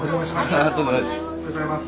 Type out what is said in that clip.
ありがとうございます。